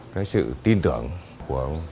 cái sự tin tưởng của